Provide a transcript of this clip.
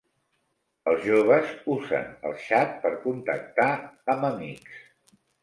Els joves usen el xat per contactar amb amics.